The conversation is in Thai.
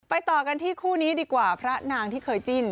ต่อกันที่คู่นี้ดีกว่าพระนางที่เคยจิ้น